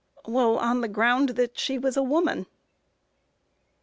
Well, on the ground that she was a woman.